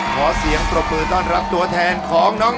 ขอเสียงปรบมือต้อนรับตัวแทนของน้อง